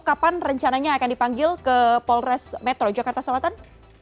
kapan rencananya akan dipanggil ke polres metro jakarta selatan